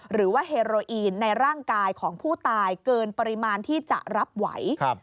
หรือว่าเฮโรอีนในร่างกายของผู้ตายเกินปริมาณที่จะรับไหว